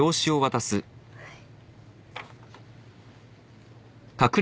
はい。